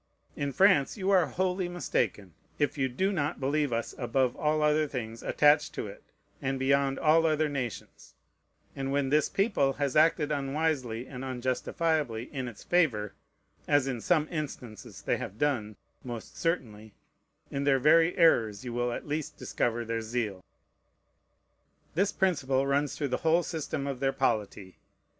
In France you are wholly mistaken, if you do not believe us above all other things attached to it, and beyond all other nations; and when this people has acted unwisely and unjustifiably in its favor, (as in some instances they have done, most certainly,) in their very errors you will at least discover their zeal. This principle runs through the whole system of their polity.